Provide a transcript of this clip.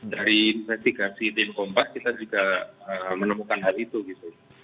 dari investigasi tim kompas kita juga menemukan hal itu gitu